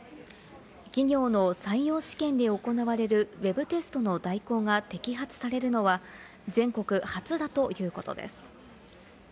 企業の採用試験で行われるウェブテストの代行が摘発されるのは全国初だということです。